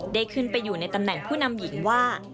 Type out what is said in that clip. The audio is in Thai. ได้ขึ้นไปอยู่ในตำแหน่งผู้นำหญิงว่า